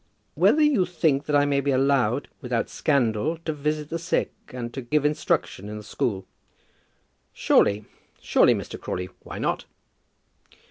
"Whether you think that I may be allowed, without scandal, to visit the sick, and to give instruction in the school." "Surely; surely, Mr. Crawley. Why not?"